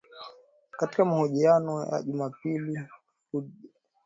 Katika mahojiano ya Jumapili Fadzayi